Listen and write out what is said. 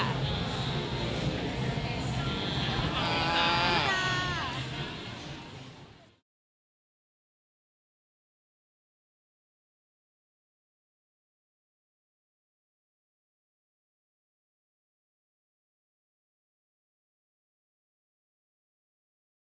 สำหรับคุณพ่อนี่ก็ตีเนียนไปเรื่อยกับคุณแม่แต่คุณแม่เป็นคนถ่ายไฮท์ก็เลยรอดตัวไปค่ะ